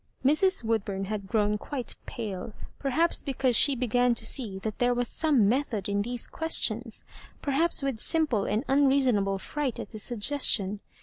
Mrs. Woodbum had grown quite pale— per haps because she began to see that there was some method in these questions, perhaps with simple and unreasonable fright at the suggestion.